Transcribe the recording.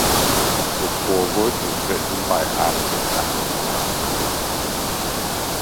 The foreword was written by Isaac Asimov.